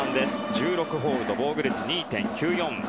１６ホールド、防御率２．９４。